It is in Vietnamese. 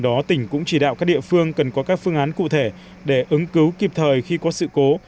do đó tỉnh cũng chỉ đạo các địa phương cần có các phương án cụ thể để ứng cứu kịp thời khi có sự cố